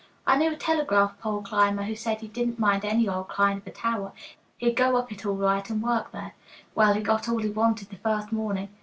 "I knew a telegraph pole climber who said he didn't mind any old kind of a tower; he'd go up it all right and work there. Well, he got all he wanted the first morning.